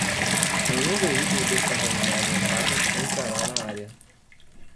Nenhum veículo descontaminado errado entrará na área.